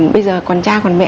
bây giờ còn cha còn mẹ